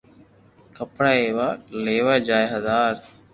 ڪپڙا اپي ليوا جايو بزار